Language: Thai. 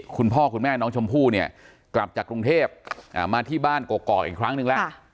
คุณพ่อคุณแม่น้องชมพู่เนี่ยกลับจากกรุงเทพมาที่บ้านกอกอีกครั้งหนึ่งแล้ว